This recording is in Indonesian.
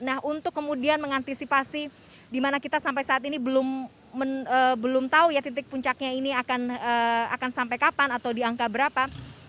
nah untuk kemudian mengantisipasi di mana kita sampai saat ini belum tahu ya titik puncaknya ini akan sampai kapan atau di angka berapa